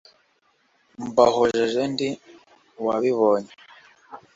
mbahojeje ndi uwabibonye,